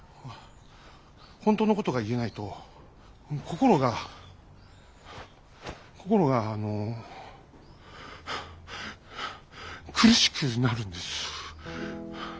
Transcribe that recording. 本当のことが言えないと心が心があのハアハア苦しくなるんです。